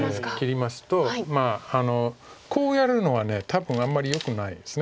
切りますとこうやるのは多分あんまりよくないです。